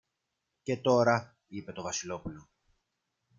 Και τώρα, είπε το Βασιλόπουλο